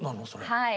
はい。